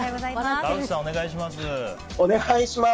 川内さん、お願いします。